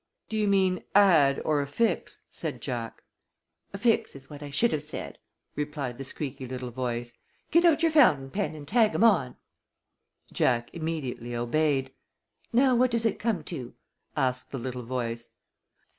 "Do you mean add or affix?" asked Jack. "Affix is what I should have said," replied the squeaky little voice. "Get out your fountain pen and tag 'em on." Jack immediately obeyed. "Now what does it come to?" asked the little voice.